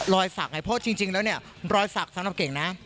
รอยสักไงเพราะจริงแล้วเนี่ยรอยสักสำหรับเก่งนะ